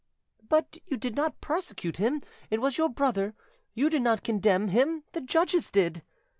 "But you did not prosecute him, it was your brother; you did not condemn him, the judges did."